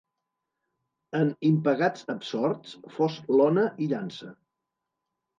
En Impagats Absorts, fos lona i llança.